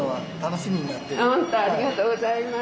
本当ありがとうございます。